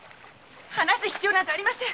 話す必要なんかありません！